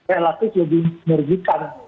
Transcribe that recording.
relatif lebih merugikan